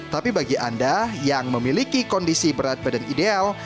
tapi bagi anda yang memiliki kondisi berat badan ideal